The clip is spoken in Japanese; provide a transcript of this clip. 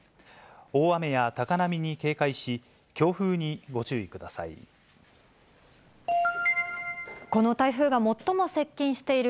大雨や高波に警戒し、強風にご注意ください。